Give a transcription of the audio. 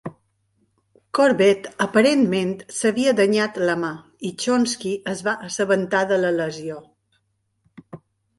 Corbett aparentment s'havia danyat la mà, i Choynski es va assabentar de la lesió.